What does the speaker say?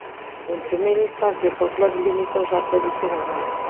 En primeira instancia o folclore limitouse á tradición oral.